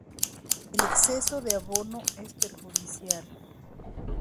El exceso de abono es perjudicial.